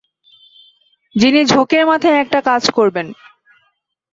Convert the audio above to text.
যিনি ঝোঁকের মাথায় একটা কাজ করবেন।